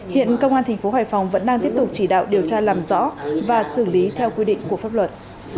hiện công an tp hải phòng vẫn đang tiếp tục chỉ đạo điều tra làm rõ và xử lý theo quy định của pháp luật